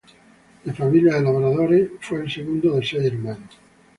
De familia de labradores, fue el segundo de seis hermanos.